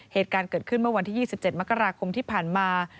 เหตุการณ์เกิดขึ้นเมื่อวันที่๒๗มกราคมที่ผ่านมา